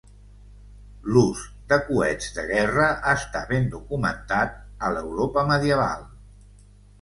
L'ús de coets de guerra està ben documentat a l'Europa medieval.